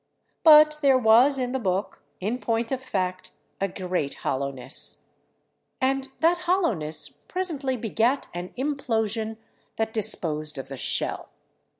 But there was in the book, in point of fact, a great hollowness, and that hollowness presently begat an implosion that disposed of the shell.